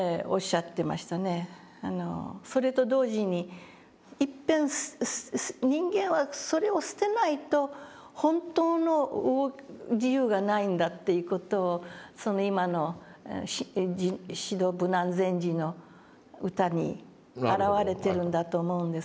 それと同時にいっぺん人間はそれを捨てないと本当の自由がないんだという事をその今の至道無難禅師の歌に表れてるんだと思うんですけどもね。